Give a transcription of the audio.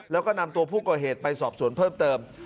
แล้วก็นำตัวผู้ก่อเหตุไปสอบสวนเพิ่มเติม